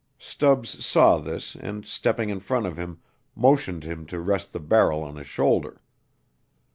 Stubbs saw this and, stepping in front of him, motioned him to rest the barrel on his shoulder.